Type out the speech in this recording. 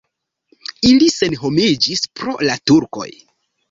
Ili senhomiĝis pro la turkoj.